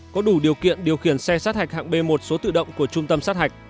có đủ điều kiện điều khiển xe sát hạch hạng b một số tự động của trung tâm sát hạch